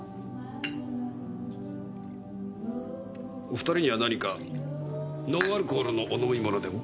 お２人には何かノンアルコールのお飲み物でも。